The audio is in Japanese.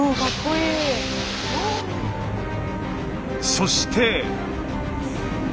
そして。